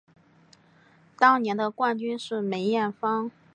当年的冠军是梅艳芳。